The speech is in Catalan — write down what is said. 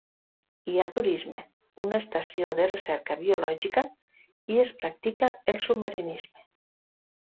Hi ha turisme, una estació de recerca biològica i es practica el submarinisme.